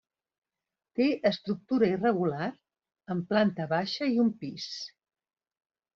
Té estructura irregular, amb planta baixa i un pis.